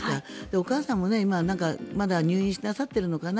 お母さんもまだ入院なさっているのかな